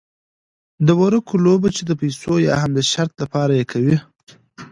د ورقو لوبه چې د پیسو یا هم د شرط لپاره کوي.